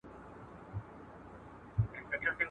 بشري سرچینې د هېواد لویه شتمني ده.